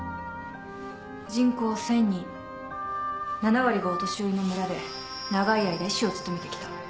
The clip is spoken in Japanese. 人口１，０００人７割がお年寄りの村で長い間医師を務めてきた。